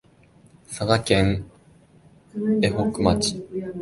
佐賀県江北町